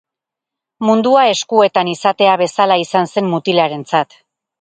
Mundua eskuetan izatea bezala izan zen mutilarentzat.